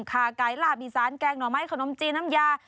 ไก่ลาบอีสานแกงหน่อไม้ขนมจีนน้ำยา